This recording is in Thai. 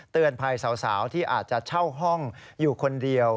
เตือนภัยสาวที่อาจจะเช่าห้องอยู่คนเดียว